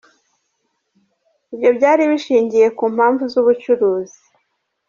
Ibyo byari bishingiye ku mpamvu z’ubucuruzi.